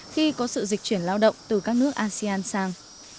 khi có sự dịch chuyển lao động từ các nước asean sang